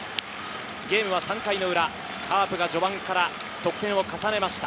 ゲームは３回の裏、カープが序盤から得点を重ねました。